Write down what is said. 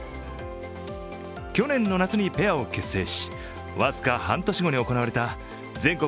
去年の夏にペアを結成し僅か半年後に行われた全国